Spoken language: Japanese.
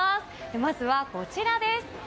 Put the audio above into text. まずはこちらです。